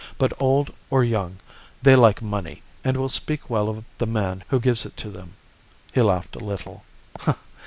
But, old or young, they like money, and will speak well of the man who gives it to them.' He laughed a little.